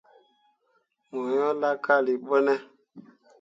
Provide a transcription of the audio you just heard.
Mo yo laakalii ɓo ne ?